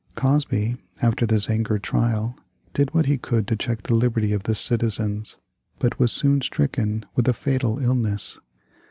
Cosby, after the Zenger trial, did what he could to check the liberty of the citizens, but was soon stricken with a fatal illness.